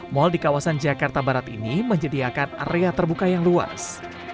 mal di kawasan jakarta barat ini menyediakan area terbuka yang luas